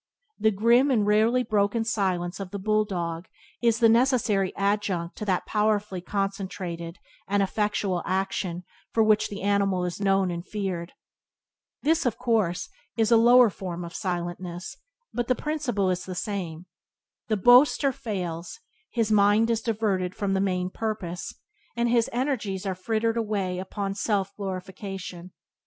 The grim and rarely broken silence of the bull dog is the necessary adjunct to that powerfully concentrated and effectual action for which the animal is known and feared. This, of course, is a lower form of silentness, but the principle is the same. The boaster fails; his mind is diverted from the main purpose; and his energies are frittered away upon self glorification.